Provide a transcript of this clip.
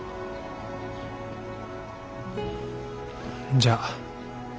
じゃあ。